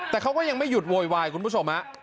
แต่เขาก็ยังไม่หยุดโวยวายคุณผู้ชมฮะ